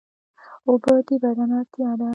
اوبه د بدن اړتیا ده